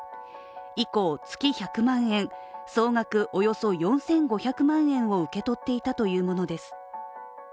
以降、月１００万円総額およそ４５００万円を受け取っていたというものです。